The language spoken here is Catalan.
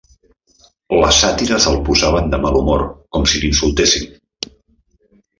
Les sàtires el posaven de mal humor com si l'insultessin